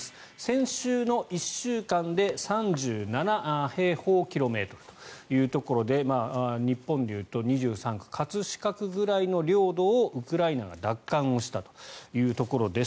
先週の１週間で３７平方キロメートルというところで日本でいうと２３区葛飾区くらいの領土をウクライナが奪還をしたというところです。